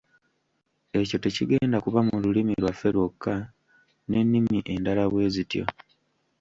Ekyo tekigenda kuba mu lulimi lwaffe lwokka, n'ennimi endala bwe zityo.